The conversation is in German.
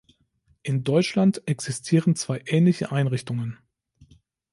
In Deutschland existieren zwei ähnliche Einrichtungen.